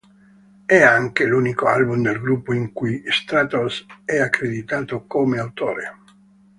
È anche l'unico album del gruppo in cui Stratos è accreditato come autore.